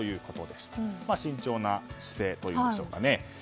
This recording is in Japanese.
まあ、慎重な姿勢というんでしょうかね。